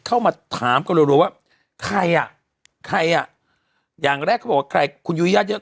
เข้ามาถามกันรัวว่าใครอ่ะใครอ่ะอย่างแรกเขาบอกว่าใครคุณยุ้ยญาติเยอะ